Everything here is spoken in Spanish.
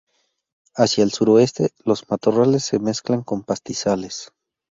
Hacia el suroeste, los matorrales se mezclan con pastizales.